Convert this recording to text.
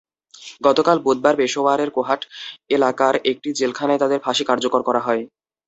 গতকাল বুধবার পেশোয়ারের কোহাট এলাকার একটি জেলখানায় তাদের ফাঁসি কার্যকর করা হয়।